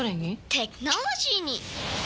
テクノロジーに！